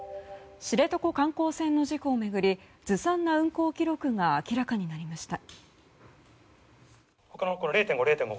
知床観光船の事故を巡りずさんな運航記録が明らかになりました。